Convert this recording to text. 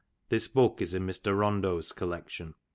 ^ This book is in Mr. Rondeau's collection.